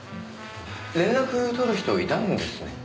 連絡取る人いたんですね。